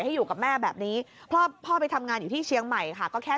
ให้กับแม่แบบนี้พ่อไปทำงานอยู่ที่เชียงใหม่ค่ะก็แค่